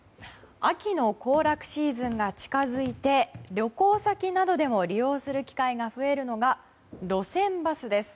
秋の行楽シーズンが近づいて旅行先などでも利用する機会が増えるのが路線バスです。